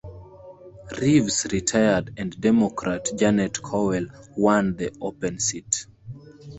Reeves retired and Democrat Janet Cowell won the open seat.